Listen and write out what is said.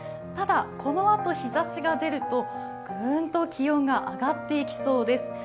ただこのあと日ざしが出るとグンと気温が上がっていきそうです。